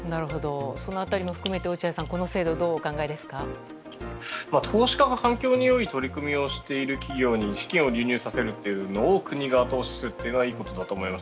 その辺りも含めて落合さん、この制度投資家が利用している環境制度に資金を流入させるというのを国が後押しするのはいいことだと思います。